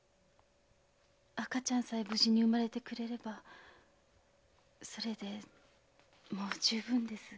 赤ちゃんさえ無事に生まれてくれればそれでもう充分です。